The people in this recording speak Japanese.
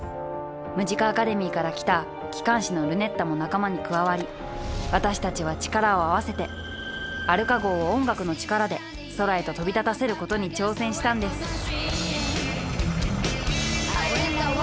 ムジカ・アカデミーから来た機関士のルネッタも仲間に加わり私たちは力を合わせてアルカ号を音楽の力で空へと飛び立たせることに挑戦したんです